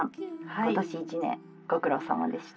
今年一年ご苦労さまでした」。